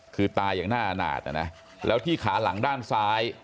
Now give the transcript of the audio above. คือตายอย่างหน้าอาหนาดนะแล้วที่ขาหลังด้านซ้าย